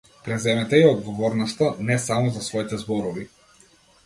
Преземете ја одговорноста не само за своите зборови.